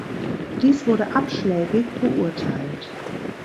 Dies wurde abschlägig beurteilt.